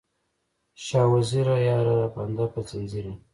شاه وزیره یاره، بنده په ځنځیر یم